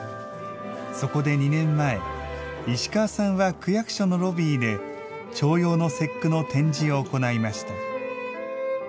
そこで、２年前、石川さんは区役所のロビーで重陽の節句の展示を行いました。